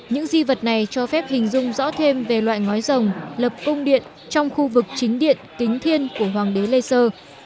những di vật này cho phép hình dung rõ thêm về loại ngói rồng lập cung điện trong khu vực chính điện kính thiên của hoàng đế lê sơ